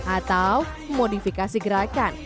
atau modifikasi gerakan